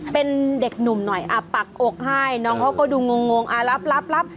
เป็นเด็กหนุ่มหน่อยปักอกให้น้องเขาก็ดูงงรับ